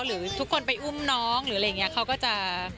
หรือทุกคนไปอุ้มน้องหรืออะไรอย่างนี้เขาก็จะ